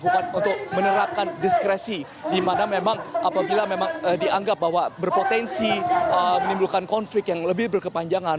bukan untuk menerapkan diskresi di mana memang apabila memang dianggap bahwa berpotensi menimbulkan konflik yang lebih berkepanjangan